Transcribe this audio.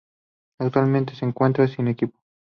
Actualmente se encuentra Sin equipo.